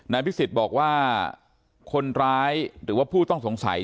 นายพิษฐบอกว่าคนร้ายหรือว่าผู้ต้องสงสัย